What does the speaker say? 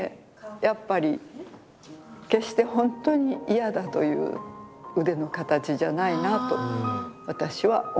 やっぱり決して本当に嫌だという腕の形じゃないなと私は思うんです。